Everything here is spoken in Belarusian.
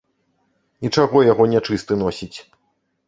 І чаго яго нячысты носіць?